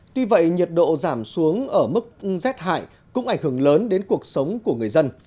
tuy vậy nhiệt độ giảm xuống ở mức rét hại cũng ảnh hưởng lớn đến cuộc sống của người dân